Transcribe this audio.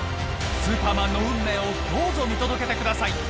スーパーマンの運命をどうぞ見届けてください！